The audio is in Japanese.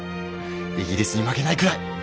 イギリスに負けないくらい！